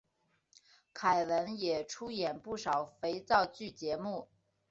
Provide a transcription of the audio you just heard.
凯文也出演不少肥皂剧节目。